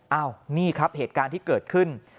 อ้าวนี่ครับเหตุการณ์ที่เกิดขึ้น